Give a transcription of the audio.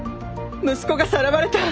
息子がさらわれた！